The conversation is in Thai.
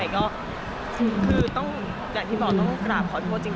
ขอบคุณแบรนด์ดังกล่าว